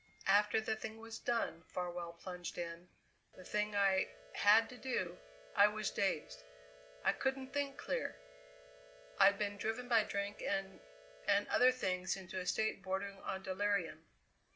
"After the thing was done," Farwell plunged in, "the thing I had to do I was dazed; I couldn't think clear. I'd been driven by drink and and other things into a state bordering on delirium.